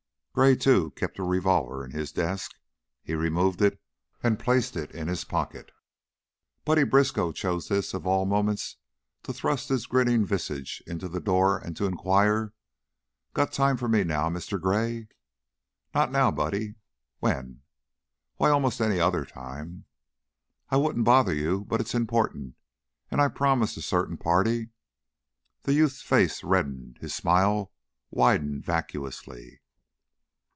Gray, too, kept a revolver in his desk. He removed it and placed it in his pocket. Buddy Briskow chose this, of all moments, to thrust his grinning visage into the door and to inquire, "Got time for me now, Mr. Gray?" "Not now, Buddy." "When?" "Why almost any other time." "I wouldn't bother you, but it's important and I I promised a certain party " The youth's face reddened, his smile widened vacuously.